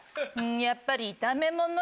やっぱり炒め物？